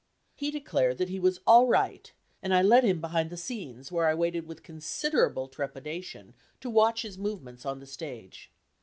He declared that he was "all right," and I led him behind the scenes, where I waited with considerable trepidation to watch his movements on the stage.